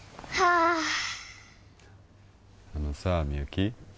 ああのさみゆき